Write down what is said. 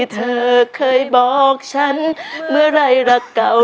เจอกับฉันและรักเรา